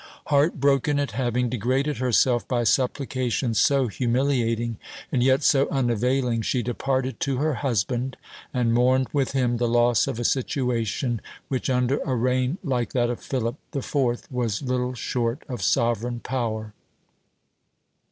Heart broken at having degraded herself by supplications so humiliating, and yet so unavailing, she departed to her husband, and mourned with him the loss of a situation, which under a reign like that of Philip the Fourth, was little short of sovereign power.